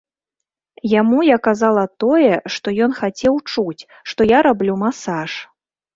Яму я казала тое, што ён хацеў чуць, што я раблю масаж.